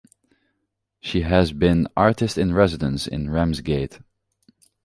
She has been artist-in-residence in Ramsgate.